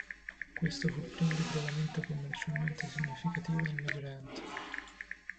Questo fu il primo ritrovamento commercialmente significativo nel Medio Oriente.